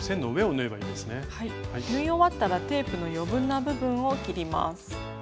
縫い終わったらテープの余分な部分を切ります。